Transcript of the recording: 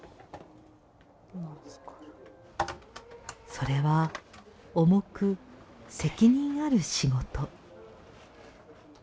それは重く責任ある仕事。